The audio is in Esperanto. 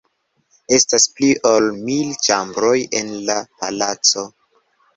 Estas pli ol mil ĉambroj en la palaco.